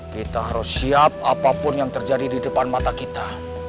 kita harus siap apapun yang terjadi di depan mata kita